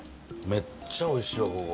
めっちゃおいしいわここ。